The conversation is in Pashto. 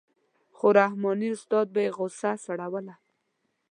خو رحماني استاد به یې غوسه سړوله.